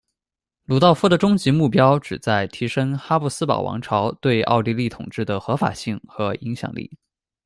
鲁道夫的终极目标旨在提升哈布斯堡王朝对奥地利统治的合法性和影响力。